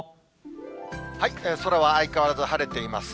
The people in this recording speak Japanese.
空は相変わらず晴れています。